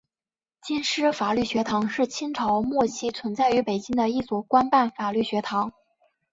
京师法律学堂是清朝末期存在于北京的一所官办法律学堂。